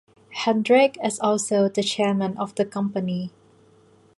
Hendrick is also the chairman of the company.